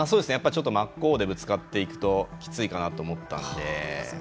ちょっと真っ向でぶつかっていくときついかなと思ったんで。